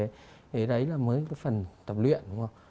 thế đấy là mới phần tập luyện